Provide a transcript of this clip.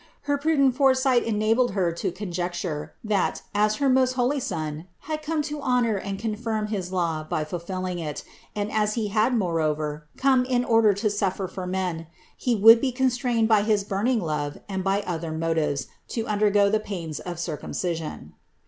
Her pru dent foresight enabled Her to conjecture, that, as her most holy Son had come to honor and confirm his law by fulfilling it and as He had moreover come in order to suffer for men, He would be constrained by his burning1 love and by other motives to undergo the pains of cir cumcision.